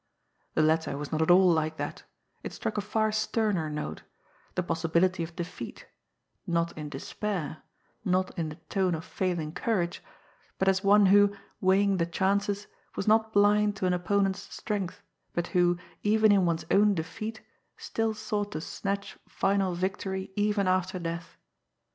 The letter was not at all like that; it struck a far sterner note the possibility of defeat not in despair, not in a tone of failing courage, but as one who, weighing the chances, was not blind to an opponent's strength, but who, even in one's own defeat, still sought to snatch final victory even after death.